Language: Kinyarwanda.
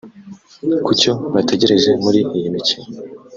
Ku cyo bategereje muri iyi mikino